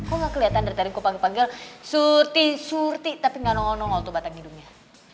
kok gak keliatan dari tadi gue panggil panggil surty surty tapi gak nongol nongol tuh batang hidungnya